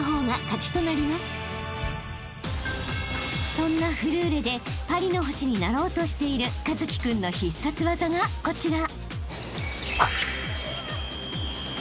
［そんなフルーレでパリの星になろうとしている一輝君の必殺技がこちら］